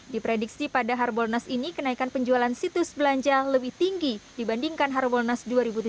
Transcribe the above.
diprediksi pada harbolnas ini kenaikan penjualan situs belanja lebih tinggi dibandingkan harbolnas dua ribu tujuh belas